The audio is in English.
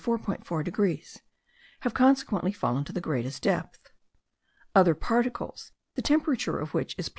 4 degrees, have consequently fallen to the greatest depth. Other particles, the temperature of which is +0.